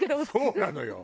そうなのよ。